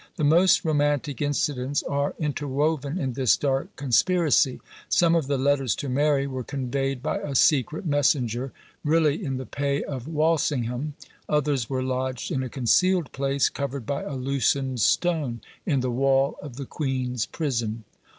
The most romantic incidents are interwoven in this dark conspiracy. Some of the letters to Mary were conveyed by a secret messenger, really in the pay of Walsingham; others were lodged in a concealed place, covered by a loosened stone, in the wall of the queen's prison.